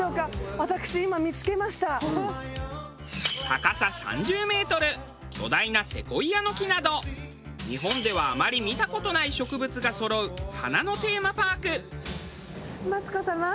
高さ３０メートル巨大なセコイアの木など日本ではあまり見た事ない植物がそろう花のテーマパーク。